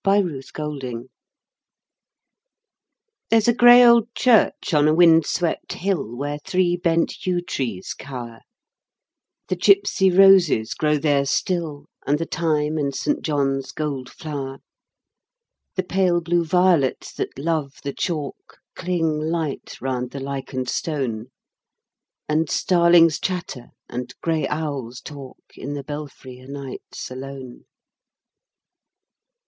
MYRRH 50 THE BETTER PART Theee's a grey old church on a wind swept hill Where three bent yew trees cower, The gipsy roses grow there still, And the thyme and Saint John's gold flower, The pale blue violets that love the chalk Cling light round the lichened stone, And starlings chatter and grey owls talk In the belfry o' nights alone.